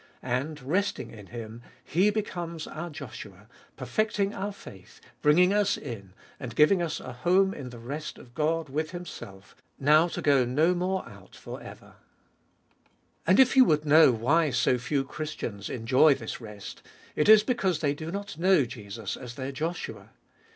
And, resting in Him, He becomes our Joshua, perfecting our faith, bringing us in, and giving us a home in the rest of God with Himself, now to go no more out for ever. tlbe Iboltest of BU 149 And if you would know why so few Christians enjoy this rest, it is because they do not know Jesus as their Joshua.